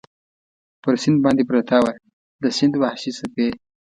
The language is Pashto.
پر سیند باندې پرته وه، د سیند وحشي څپې.